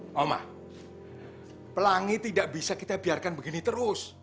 ngomong pelangi tidak bisa kita biarkan begini terus